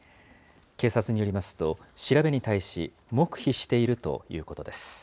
警察によりますと、調べに対し黙秘しているということです。